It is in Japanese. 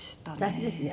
大変ですね。